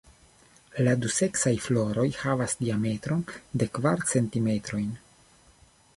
La duseksaj floroj havas diametron de kvar centimetrojn.